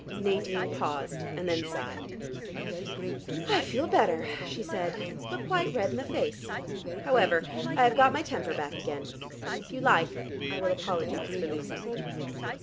Nadine paused, and then sighed. "I feel better," she said, "but quite red in the face. However, I have got my temper back again. If you like I will apologize for losing it."